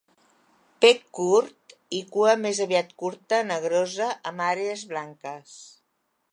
Bec curt i cua més aviat curta, negrosa, amb àrees blanques.